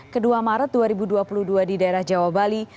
kedua maret dua ribu dua puluh dua di daerah jawa bali